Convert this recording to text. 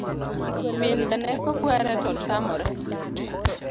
Min janeko kuere to otamore